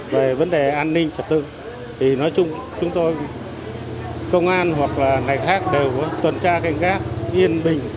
về vấn đề an ninh trật tự thì nói chung chúng tôi công an hoặc là ngành khác đều có tuần tra canh gác yên bình